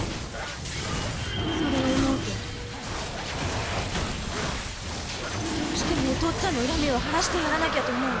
それを思うとどうしてもお父っつぁんの恨みを晴らしてやらなきゃと思うの。